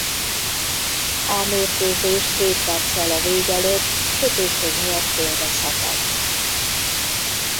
A mérkőzés hét perccel a vég előtt sötétség miatt félbeszakadt.